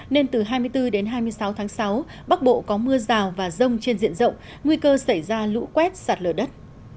nên từ hai mươi bốn đến hai mươi sáu tháng sáu bắc bộ có mưa rào và rông trên diện rộng nguy cơ xảy ra lũ quét sạt lở đất